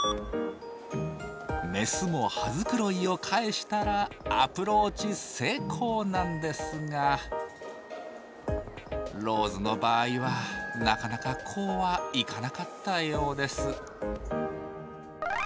メスも羽繕いを返したらアプローチ成功なんですがローズの場合はなかなかこうはいかなかったようです。